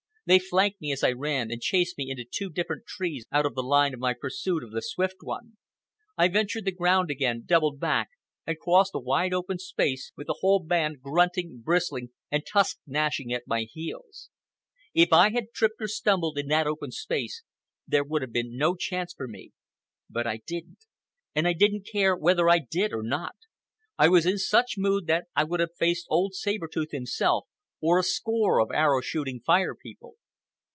They flanked me as I ran, and chased me into two different trees out of the line of my pursuit of the Swift One. I ventured the ground again, doubled back, and crossed a wide open space, with the whole band grunting, bristling, and tusk gnashing at my heels. If I had tripped or stumbled in that open space, there would have been no chance for me. But I didn't. And I didn't care whether I did or not. I was in such mood that I would have faced old Saber Tooth himself, or a score of arrow shooting Fire People.